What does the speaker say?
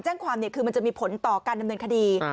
แจ้งความคือมันจะมีผลต่อการดำเนินคดี